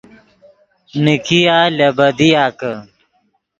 نیکیا لے بدیا کہ